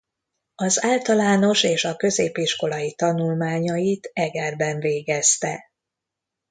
Az általános és a középiskolai tanulmányait Egerben végezte.